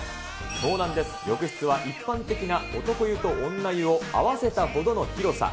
そうなんです、浴室は一般的な男湯と女湯を合わせたほどの広さ。